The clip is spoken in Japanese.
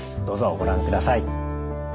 どうぞご覧ください。